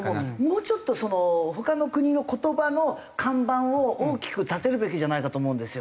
もうちょっと他の国の言葉の看板を大きく立てるべきじゃないかと思うんですよ。